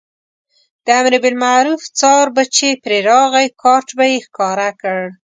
د امربالمعروف څار به چې پرې راغی کارټ به یې ښکاره کړ.